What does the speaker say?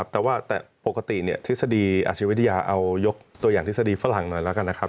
แต่ว่าแต่ปกติทฤษฎีอาชีวิทยาเอายกตัวอย่างทฤษฎีฝรั่งหน่อยแล้วกันนะครับ